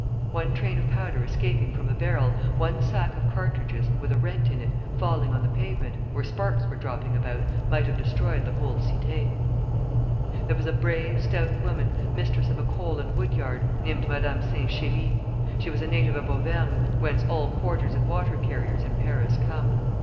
One train of powder escaping from a barrel, one sack of cartridges, with a rent in it, falling on the pavement, where sparks were dropping about, might have destroyed the whole "Cité." There was a brave, stout woman, mistress of a coal and wood yard, named Madame Saint Chély. She was a native of Auvergne, whence all porters and water carriers in Paris come.